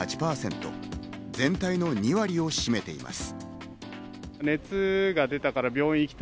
全体の２割を占めています。